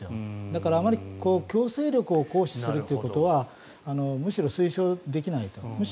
だから、あまり強制力を行使するということはむしろ推奨できないと。